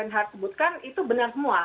ma senhard sebutkan itu benar semua